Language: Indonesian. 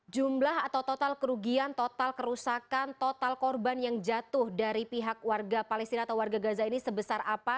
jumlah atau total kerugian total kerusakan total korban yang jatuh dari pihak warga palestina atau warga gaza ini sebesar apa